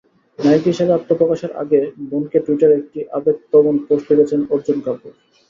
নায়িকা হিসেবে আত্মপ্রকাশের আগে বোনকে টুইটারে একটি আবেগপ্রবণ পোস্ট লিখেছেন অর্জুন কাপুর।